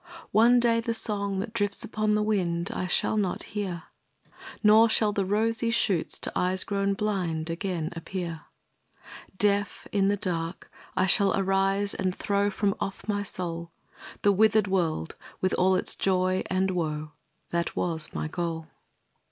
One day the song that drifts upon the wind, I shall not hear; Nor shall the rosy shoots to eyes grown blind Again appear. Deaf, in the dark, I shall arise and throw From off my soul, The withered world with all its joy and woe, That was my goal.